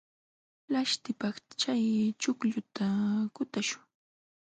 Laśhtipaq chay chuqlluta kutaśhun.